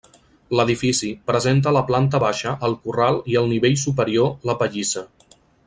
L'edifici presenta a la planta baixa el corral i al nivell superior la pallissa.